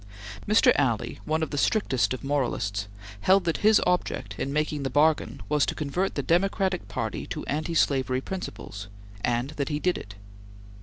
Mr. Alley, one of the strictest of moralists, held that his object in making the bargain was to convert the Democratic Party to anti slavery principles, and that he did it.